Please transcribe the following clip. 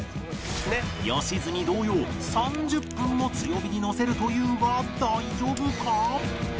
良純同様３０分も強火にのせるというが大丈夫か？